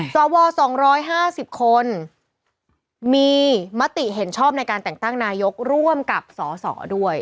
สว๒๕๐คนมีมติเห็นชอบในการแต่งตั้งนายกร่วมกับสสด้วย